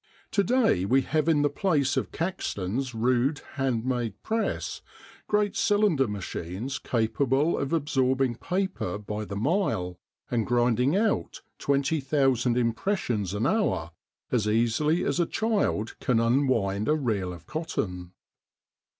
To day we have in the place of Caxton's rude hand made press great cylinder machines capable of absorbing paper by the mile, and grinding out 20,000 impressions an hour as easily as a child can unwind a reel of cotton.